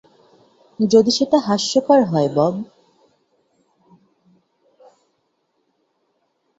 যদি সেটা হাস্যকর হয়, বব।